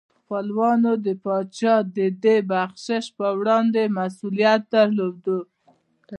خپلوانو د پاچا د دې بخشش په وړاندې مسؤلیت درلود.